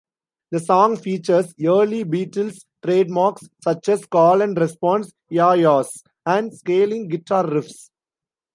The song features early Beatles' trademarks such as call-and-response yeah-yeahs and scaling guitar riffs.